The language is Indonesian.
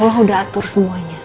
allah udah atur semuanya